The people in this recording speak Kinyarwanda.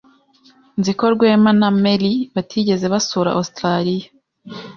Nzi neza ko Rwema na Mary batigeze basura Ositaraliya.